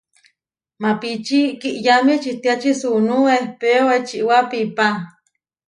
Maapíči kiʼyámi ečitiáči suunú ehpéo ečiwá piipá.